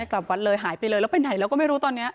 กลับวัดเลยหายไปเลยแล้วไปไหนแล้วก็ไม่รู้ตอนนี้